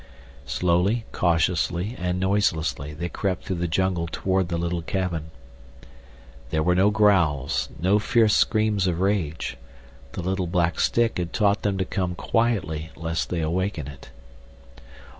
Slowly, cautiously, and noiselessly they crept through the jungle toward the little cabin. There were no growls, no fierce screams of rage—the little black stick had taught them to come quietly lest they awaken it.